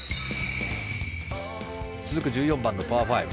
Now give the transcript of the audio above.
続く１４番のパー５。